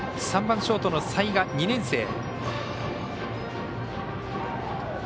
３番、ショートの齊賀２年生。